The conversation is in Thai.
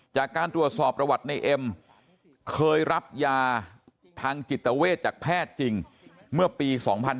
จากการตรวจสอบประวัติในเอ็มเคยรับยาทางจิตเวทจากแพทย์จริงเมื่อปี๒๕๕๙